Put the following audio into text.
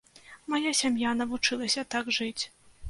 Мая сям'я навучылася так жыць.